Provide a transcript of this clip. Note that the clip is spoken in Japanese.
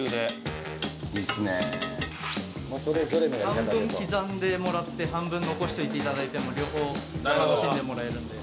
半分刻んでもらって半分残しておいて頂いても両方楽しんでもらえるので。